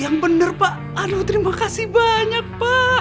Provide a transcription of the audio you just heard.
yang benar pak aduh terima kasih banyak pak